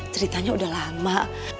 ceritanya udah lama